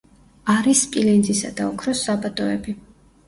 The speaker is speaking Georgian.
არის სპილენძისა და ოქროს საბადოები.